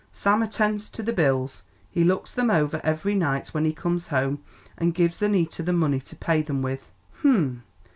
Sam attends to the bills. He looks them over every night when he comes home, and gives Annita the money to pay them with." "Hum!"